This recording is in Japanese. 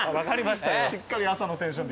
しっかり朝のテンションで。